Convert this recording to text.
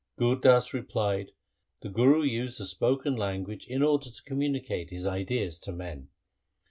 Gur Das replied, ' The Guru used the spoken language in order to communicate his ideas to men.